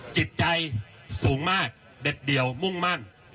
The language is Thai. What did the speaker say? จิตใจสูงมากเด็ดเดี่ยวมุ่งมั่น